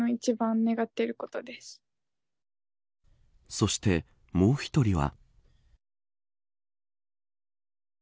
そして、もう１人は。